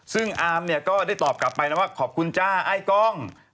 ซึ่งอามเนี่ยก็ได้ตอบกลับไปนะว่าขอบคุณจ้าไอ้กล้อง